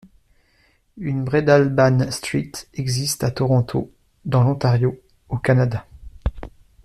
Une Breadalbane Street existe à Toronto, dans l'Ontario, au Canada.